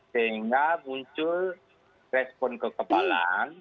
sehingga muncul respon kekebalan